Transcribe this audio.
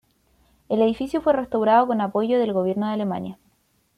El edificio fue restaurado con apoyo del gobierno de Alemania.